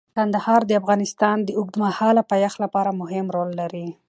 کندهار د افغانستان د اوږدمهاله پایښت لپاره مهم رول لري.